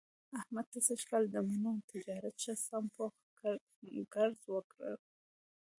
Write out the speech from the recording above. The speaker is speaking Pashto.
احمد ته سږ کال د مڼو تجارت ښه سم پوخ ګړز ورکړ.